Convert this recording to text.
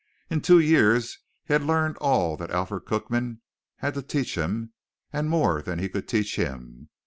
In two years he had learned all that Alfred Cookman had to teach him and more than he could teach him.